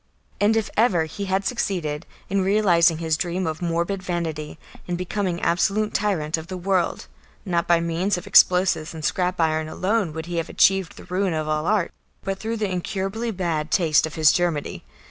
And if ever he had succeeded in realising his dream of morbid vanity and becoming absolute tyrant of the world, not by means of explosives and scrap iron alone would he have achieved the ruin of all art, but through the incurably bad taste of his Germany.